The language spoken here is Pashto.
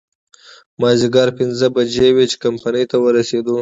مازديګر پينځه بجې وې چې کمپنۍ ته ورسېدو.